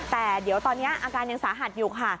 แต่เดี๋ยวตอนนี้อาการยังสาหัสอยู่ค่ะ